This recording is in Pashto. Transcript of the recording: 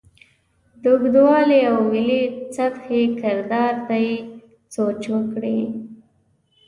د اوږدوالي او ملي سطحې کردار ته یې سوچ وکړې.